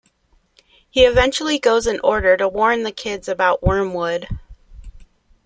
He eventually goes in order to warn the kids about Wormwood.